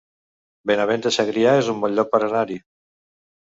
Benavent de Segrià es un bon lloc per anar-hi